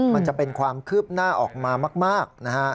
มันจะเป็นความคืบหน้าออกมามากนะฮะ